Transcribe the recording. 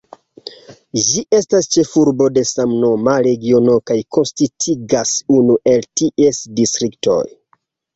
Ĝi estas ĉefurbo de samnoma regiono kaj konsistigas unu el ties distriktoj.